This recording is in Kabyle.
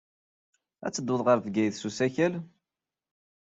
Ad teddud ɣer Bgayet s usakal?